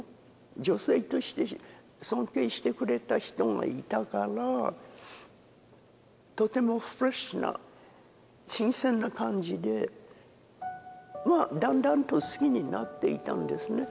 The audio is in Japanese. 女性として尊敬してくれた人がいたからとてもフレッシュな新鮮な感じでまあだんだんと好きになっていたんですね